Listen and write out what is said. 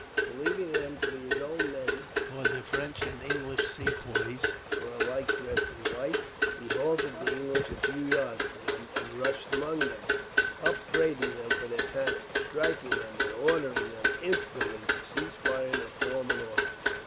Believing them to be his own men, for the French and English Sepoys were alike dressed in white, he halted the English a few yards from them, and rushed among them, upbraiding them for their panic, striking them, and ordering them instantly to cease firing, and to form in order.